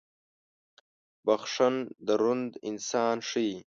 • بخښن دروند انسان ښيي.